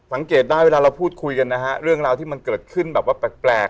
สังเกตได้เวลาเราพูดคุยกันนะฮะเรื่องราวที่มันเกิดขึ้นแบบว่าแปลก